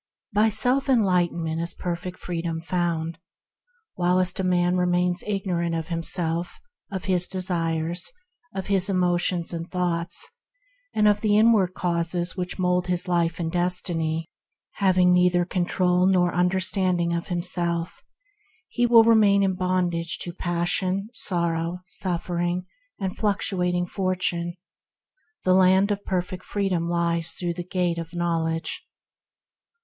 By self enlightenment is Perfect Freedom found. While a man remains ignorant of himself, of his desires, of his emotions and thoughts, and of the inward causes that mould his life and destiny, having neither control nor understanding of him self, he will remain in bondage to passion, sorrow, suffering, and fluctuating fortune. The Land of Perfect Freedom lies through the Gate of Knowledge.